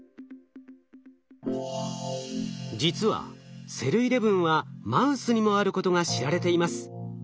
実はｓｅｌー１１はマウスにもあることが知られています。